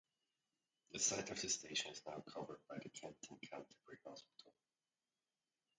The site of the station is now covered by the Kent and Canterbury Hospital.